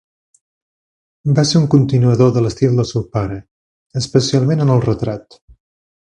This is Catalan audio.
Va ser un continuador de l'estil del seu pare, especialment en el retrat.